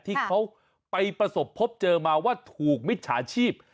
ที่เขาไปประสบพบเจอมาว่าถูกมิจฉาชีพ